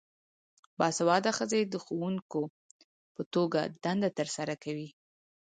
باسواده ښځې د ښوونکو په توګه دنده ترسره کوي.